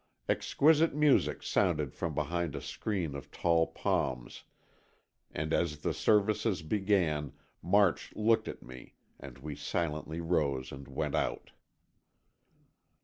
Exquisite music sounded from behind a screen of tall palms, and as the services began, March looked at me, and we silently rose and went out.